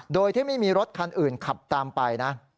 โดยที่ไม่มีรถคันอื่นขับตามไปนะ